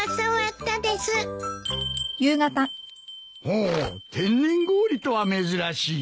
ほう天然氷とは珍しい。